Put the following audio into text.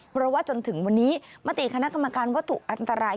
เพราะว่าจนถึงวันนี้มติคณะกรรมการวัตถุอันตราย